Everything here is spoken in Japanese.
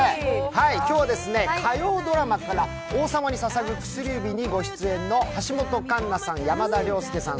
今日は火曜ドラマから「王様に捧ぐ薬指」にご出演の橋本環奈さん、山田涼介さん。